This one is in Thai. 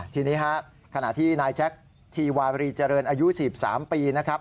ทีนี้ฮะขณะที่นายแจ็คทีวารีเจริญอายุ๑๓ปีนะครับ